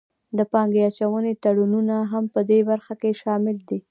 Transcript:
د پانګې اچونې تړونونه هم پدې برخه کې شامل دي